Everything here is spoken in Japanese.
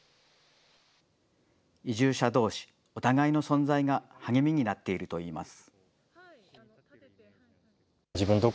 移住者どうし、お互いの存在が励みになっているといいます。